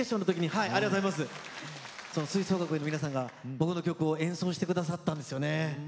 吹奏楽の皆さんが僕の曲を演奏してくださったんですよね。